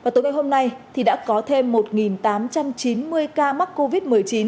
tối ngày hôm nay thì đã có thêm một tám trăm chín mươi ca mắc covid một mươi chín